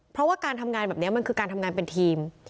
เพราะว่าการทำงานแบบนี้มันคือการทำงานเป็นทีม